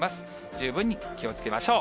十分に気をつけましょう。